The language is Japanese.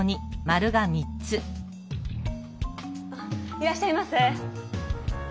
いらっしゃいませ！